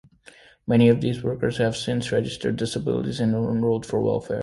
Many of these workers have since registered disabilities and enrolled for welfare.